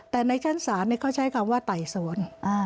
แต่ในชั้นศาลเขาใช้คำว่าไต่สวน